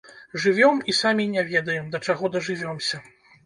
Жывём і самі не ведаем, да чаго дажывёмся.